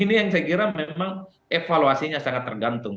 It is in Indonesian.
ini yang saya kira memang evaluasinya sangat tergantung